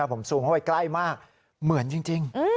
ผมซูมเข้าไปใกล้มากเหมือนจริง